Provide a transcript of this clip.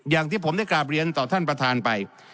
อย่างที่ผมได้กราบเรียนต่อท่านประธานไป